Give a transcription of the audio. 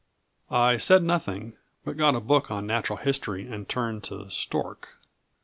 I said nothing, but got a book on natural history, and turned to "Stork."